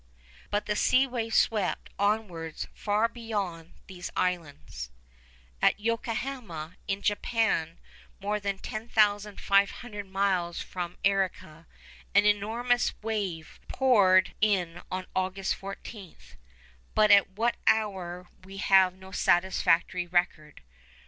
But the sea wave swept onwards far beyond these islands. At Yokohama, in Japan, more than 10,500 miles from Arica, an enormous wave poured in on August 14, but at what hour we have no satisfactory record.